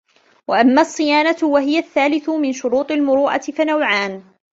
وَأَمَّا الصِّيَانَةُ وَهِيَ الثَّالِثُ مِنْ شُرُوطِ الْمُرُوءَةِ فَنَوْعَانِ